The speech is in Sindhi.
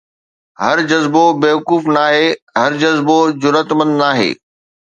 هر جذبو بيوقوف ناهي، هر جذبو جرئتمند ناهي